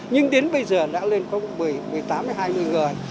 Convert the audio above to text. nhưng đến bây giờ đã lên có bảy mươi tám hai mươi người